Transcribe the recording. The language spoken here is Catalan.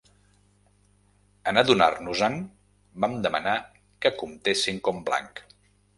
En adonar-nos-en vam demanar que comptessin com blanc.